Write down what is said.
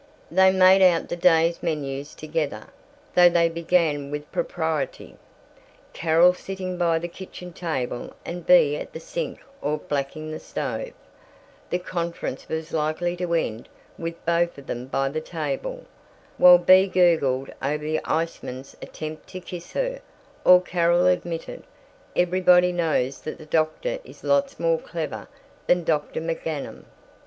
They made out the day's menus together. Though they began with propriety, Carol sitting by the kitchen table and Bea at the sink or blacking the stove, the conference was likely to end with both of them by the table, while Bea gurgled over the ice man's attempt to kiss her, or Carol admitted, "Everybody knows that the doctor is lots more clever than Dr. McGanum."